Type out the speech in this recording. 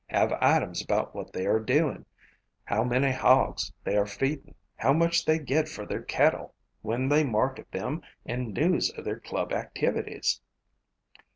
Have items about what they are doing, how many hogs they are feeding, how much they get for their cattle, when they market them and news of their club activities."